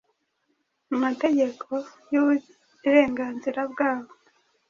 Amategeko yuburenganzira bwaho